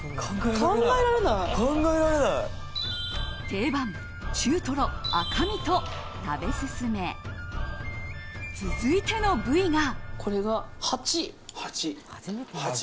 定番、中トロ、赤身と食べ進め、続いての部位が。